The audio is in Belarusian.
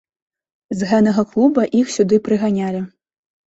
З гэнага клуба іх сюды прыганялі.